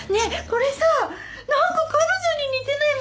これさ何か彼女に似てない？